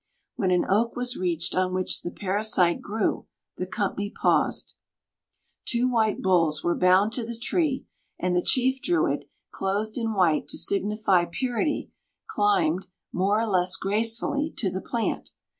When an oak was reached on which the parasite grew, the company paused. Two white bulls were bound to the tree and the chief Druid, clothed in white to signify purity, climbed, more or less gracefully, to the plant.